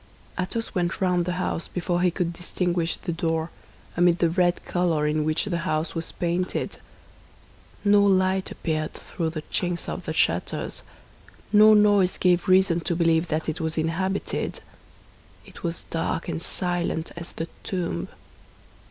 Athos went round the house before he could distinguish the door, amid the red color in which the house was painted. No light appeared through the chinks of the shutters; no noise gave reason to believe that it was inhabited. It was dark and silent as the tomb.